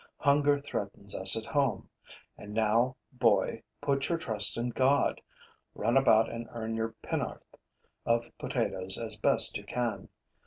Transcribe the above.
Hunger threatens us at home. And now, boy, put your trust in God; run about and earn your penn'orth of potatoes as best you can.